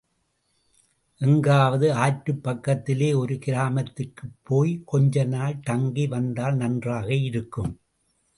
எங்காவது ஆற்றுப் பக்கத்திலே ஒரு கிராமத்திற்குப் போய்க் கொஞ்ச நாள் தங்கி வந்தால் நன்றாக இருக்கும்.